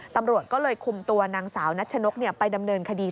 ตำรวจก็เลยคุมตัวนางสาวนัชนกไปดำเนินคดี